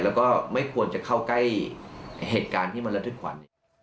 แล้วก็ไม่ควรจะเข้าใกล้เหตุการณ์ที่มันระทึกขวัญ